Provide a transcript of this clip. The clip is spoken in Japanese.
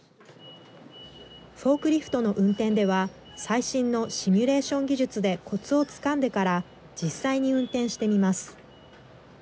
フォークリフトの運転では、最新のシミュレーション技術でこつをつかんでから、実際に運転してみます。